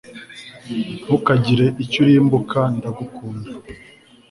Ntukagire icyo urimbuka ndagukunda